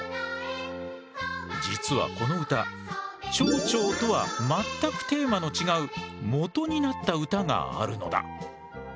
実はこの歌ちょうちょうとは全くテーマの違うもとになった歌があるのだ。